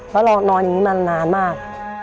แล้วเรานอนอย่างนี้นานมาก